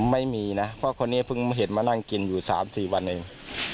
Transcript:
ไม่มีนะเพราะคนนี้เพิ่งเห็นมานั่งกินอยู่๓๔วันเอง